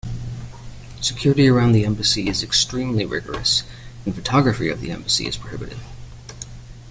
Security around the Embassy is extremely rigorous and photography of the embassy is prohibited.